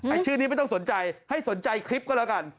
ชื่อนี้ไม่ต้องสนใจให้สนใจคลิปก็แล้วกัน